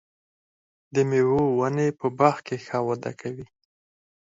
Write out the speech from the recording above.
د مېوو ونې په باغ کې ښه وده کوي.